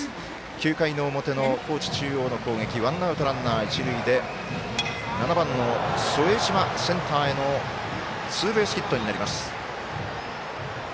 ９回の表の高知中央の攻撃ワンアウト、ランナー、一塁で７番、副島、センターへのツーベースヒットになりました。